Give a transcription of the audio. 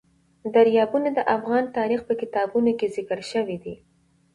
دریابونه د افغان تاریخ په کتابونو کې ذکر شوی دي.